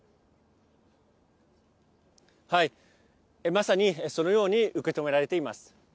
まさに、そのように受け止められています。